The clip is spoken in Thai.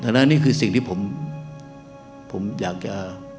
นั่นนี่คือสิ่งที่ผมอยากจะ